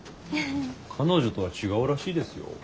彼女とは違うらしいですよ。